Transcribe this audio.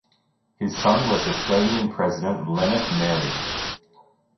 His son was Estonian president Lennart Meri.